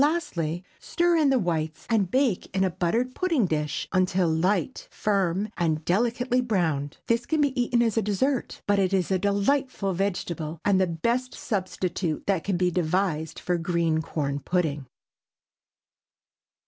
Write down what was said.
Lastly stir in the whites, and bake in a buttered pudding dish, until light, firm, and delicately browned. This can be eaten as a dessert, but it is a delightful vegetable, and the best substitute that can be devised for green corn pudding.